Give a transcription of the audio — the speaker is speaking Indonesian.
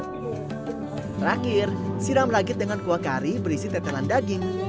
terakhir siram ragit dengan kuah kari berisi tetelan daging